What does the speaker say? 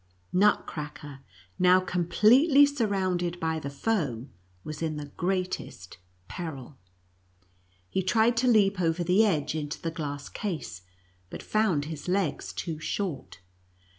Nutcracker, now completely sur rounded by the foe, was in the greatest peril. NUTCE ACKER AND MOUSE KING . 47 He tried to leap over the edge, into the glass case, but found his legs too short.